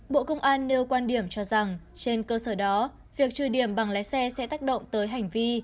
bộ công an nêu quan điểm cho rằng trên cơ sở đó việc trừ điểm bằng lái xe sẽ tác động tới hành vi